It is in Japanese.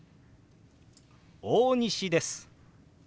大西です」。